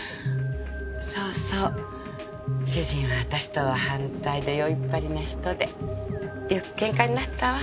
そうそう主人は私とは反対で宵っ張りな人でよくケンカになったわ。